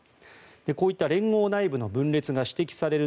こういった連合内部の分裂が指摘される